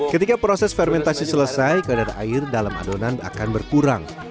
ketika proses fermentasi selesai kadar air dalam adonan akan berkurang